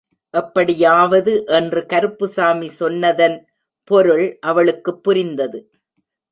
எப்படியாவது என்று கருப்புசாமி சொன்னதன் பொருள் அவளுக்குப் புரிந்தது.